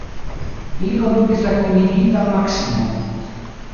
Ili kondukis la kunligitan Maksimon.